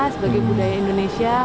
sebagai budaya indonesia